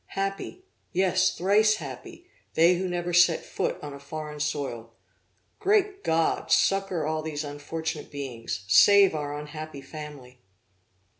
Happy! yes, thrice happy, they who never set foot on a foreign soil! Great God! succor all these unfortunate beings; save our unhappy family!'